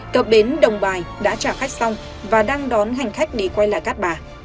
cập bến đồng bài đã trả khách xong và đang đón hành khách đi quay lại cát bà